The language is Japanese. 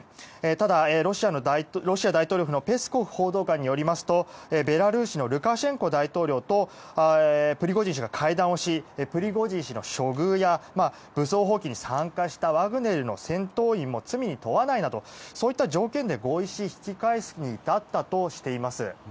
ただ、ロシア大統領府のペスコフ報道官によりますとベラルーシのルカシェンコ大統領とプリゴジン氏が会談をしプリゴジン氏の処遇や武装蜂起に参加したワグネルの戦闘員も罪に問わないなどそういった条件で合意し引き返すに至ったとしています。